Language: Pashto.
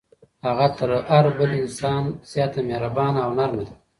هغه تر هر بل انسان زیاته مهربانه او نرمه ده.